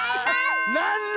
なんだ？